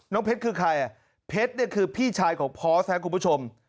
น้องเพชรคือใครเพชรเนี่ยคือพี่ชายของพอสค่ะคุณผู้ชม